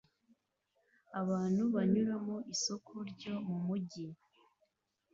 Abantu banyura mu isoko ryo mu mujyi